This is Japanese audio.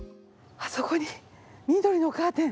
あそこに緑のカーテン！